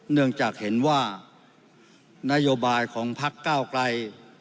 เนื่องจากเห็นว่านโยบายของพักเก้าไกล